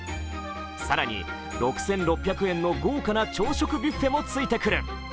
更に、６６００円の豪華な朝食ビュッフェもついてくる。